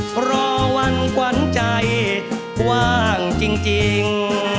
เพราะวันขวัญใจว่างจริง